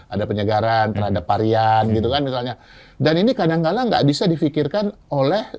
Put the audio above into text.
ada penyegaran terhadap varian gitu kan misalnya dan ini kadang kadang nggak bisa difikirkan oleh